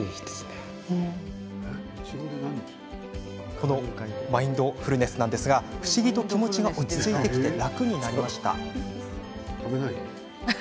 このマインドフルネス不思議と気持ちが落ち着いて楽になりました。